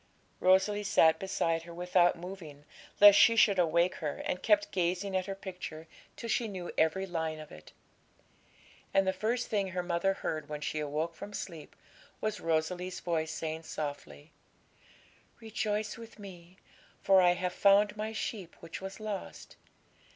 Rosalie sat beside her without moving, lest she should awake her, and kept gazing at her picture till she knew every line of it. And the first thing her mother heard when she awoke from sleep was Rosalie's voice saying softly '"Rejoice with Me, for I have found My sheep which was lost.